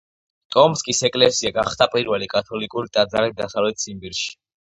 ტომსკის ეკლესია გახდა პირველი კათოლიკური ტაძარი დასავლეთ ციმბირში.